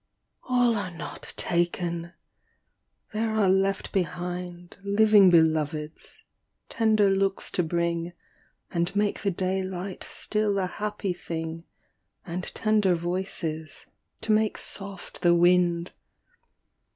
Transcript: A LL are not taken ! there are left behind Living Beloveds, tender looks to bring, And make the daylight still a happy thing, And tender voices, to make soft the wind.